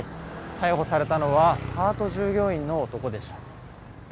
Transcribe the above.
逮捕されたのはパート従業員の男でした。